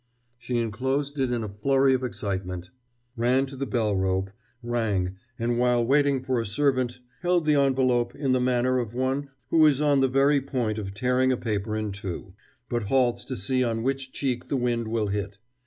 She enclosed it in a flurry of excitement, ran to the bell rope, rang, and while waiting for a servant held the envelope in the manner of one who is on the very point of tearing a paper in two, but halts to see on which cheek the wind will hit.